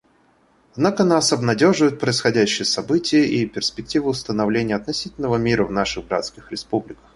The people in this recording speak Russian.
Однако нас обнадеживают происходящие события и перспективы установления относительного мира в наших братских республиках.